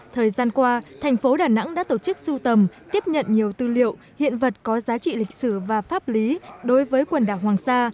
thời gian qua thành phố đà nẵng đã tổ chức sưu tầm tiếp nhận nhiều tư liệu hiện vật có giá trị lịch sử và pháp lý đối với quần đảo hoàng sa